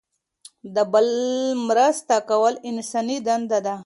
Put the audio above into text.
د بل مرسته کول انساني دنده ده.